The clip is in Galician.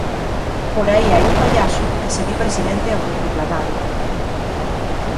Por aí hai un pallaso que se di presidente autoproclamado.